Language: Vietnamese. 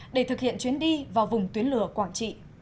để thực hiện chuyến đi vào vùng tuyến lửa quảng trị